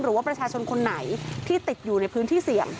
หรือว่าประชาชนคนไหนที่ติดอยู่ในพื้นที่เสี่ยง